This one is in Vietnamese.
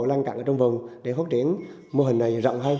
lăn cặn ở trong vùng để phát triển mô hình này rộng hơn